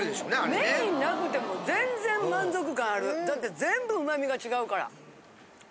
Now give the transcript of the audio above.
メインなくても全然満足感あるだって全部うま味が違うから。